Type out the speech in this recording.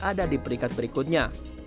ada di peringkat berikutnya